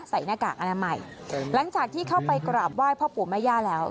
หน้ากากอนามัยหลังจากที่เข้าไปกราบไหว้พ่อปู่แม่ย่าแล้ว